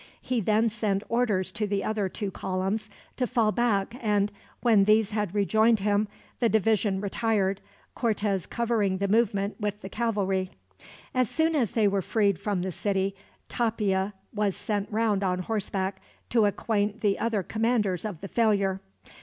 He then sent orders to the other two columns to fall back and, when these had rejoined him, the division retired, Cortez covering the movement with the cavalry. As soon as they were freed from the city, Tapia was sent round on horseback to acquaint the other commanders of the failure.